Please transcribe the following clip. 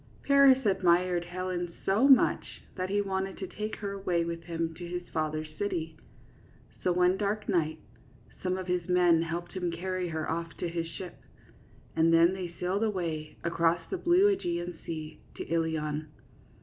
Paris admired Helen so much that he wanted to take her away with him to his father's city; so one dark night some of his men helped him carry her off to his ship, and then they sailed away across the blue iEgean sea to Ilion.